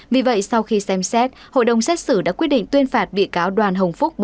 vì vậy sau khi xem xét hội đồng xét xử đã quyết định tuyên phạt bị cáo đoàn hồng phúc